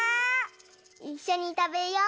いっしょにたべよう！